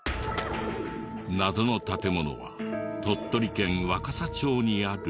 謎の建物は鳥取県若桜町にある。